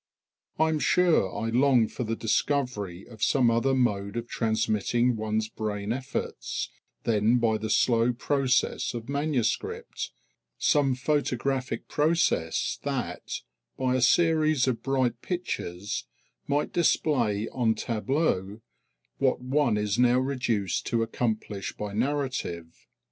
I'm sure I long for the discovery of some other mode of transmitting one's brain efforts than by the slow process of manuscript, some photographic process that, by a series of bright pictures, might display en tableau what one is now reduced to accomplish by narrative.